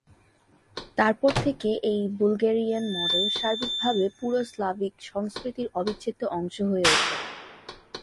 তারপর থেকে, এই বুলগেরিয়ান মডেল সার্বিকভাবে পুরো স্লাভিক সংস্কৃতির অবিচ্ছেদ্য অংশ হয়ে ওঠে।